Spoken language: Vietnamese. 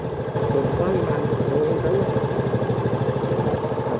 trường ba nguyễn sứ